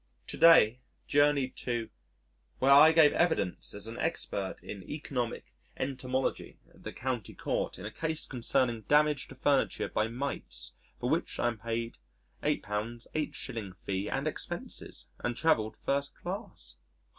To day journeyed to where I gave evidence as an expert in Economic Entomology at the County Court in a case concerning damage to furniture by mites for which I am paid £8 8s. fee and expenses and travelled first class.